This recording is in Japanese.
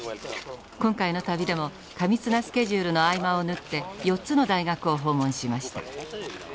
今回の旅でも過密なスケジュールの合間を縫って４つの大学を訪問しました。